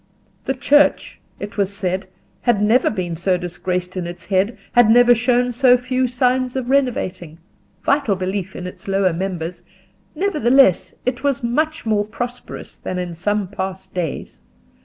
The Church, it was said, had never been so disgraced in its head, had never shown so few signs of renovating, vital belief in its lower members; nevertheless it was much more prosperous than in some past days.